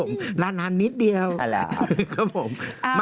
อ๋อนี่หน้าชัดอยู่ด้วย